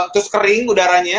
terus kering udaranya